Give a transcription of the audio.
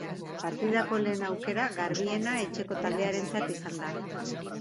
Partidako lehen aukera garbiena etxeko taldearentzat izan da.